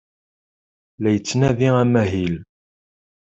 La yettnadi amahil.